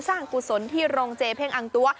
กุศลที่โรงเจเพ่งอังตัว